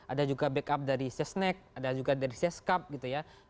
ada juga backup dari sesnek ada juga dari seskap gitu ya